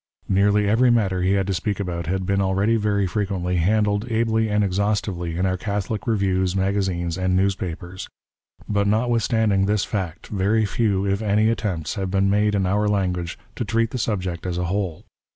Nearly every matter he had to speak about had been already very frequently handled ably and exhaustively in our Catholic reviews, magazines and newspapers. But notwithstanding this fact, very few, if any, attempts have been made in our language to treat the subject as a whole.